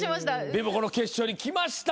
でもこの決勝にきました。